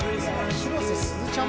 広瀬すずちゃん